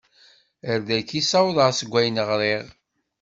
Ar dagi i ssawḍeɣ seg wayen ɣriɣ.